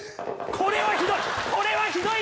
これはひどい！